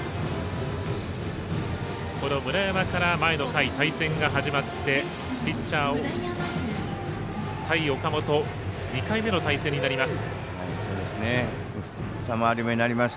この村山から前の回対戦が始まってピッチャー、対岡本２回目の対戦になります。